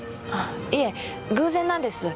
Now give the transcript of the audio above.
いえ偶然なんです。